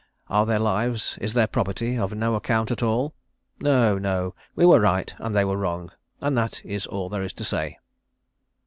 Are their lives, is their property, of no account at all? No, no. We were right and they were wrong; and that is all there is to say."